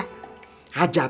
kita sedang ada acara